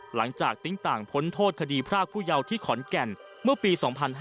หลังจากติ้งต่างพ้นโทษคดีพระพุยาวที่ขอนแก่นเมื่อปี๒๕๕๑